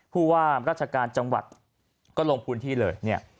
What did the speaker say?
ผู้ว่าราชการจังหวัดก็ลงพูดที่เลย